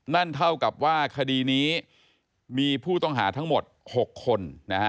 นั่นเท่ากับว่าคดีนี้มีผู้ต้องหาทั้งหมด๖คน